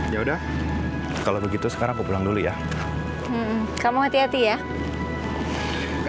ya udah kalau begitu sekarang aku pulang dulu ya kamu hati hati ya